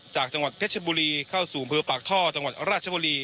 จากจังหวัดเพชรบุรีเข้าสู่อำเภอปากท่อจังหวัดราชบุรี